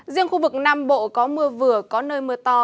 riêng khu vực nam bộ có mưa vừa có nơi mưa to